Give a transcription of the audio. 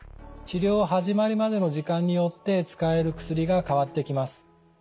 治療を始めるまでの時間によって使える薬が変わってきます。